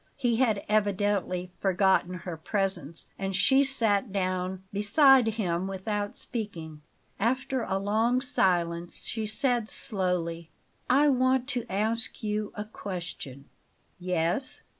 He had evidently forgotten her presence, and she sat down beside him without speaking. After a long silence she said slowly: "I want to ask you a question." "Yes?"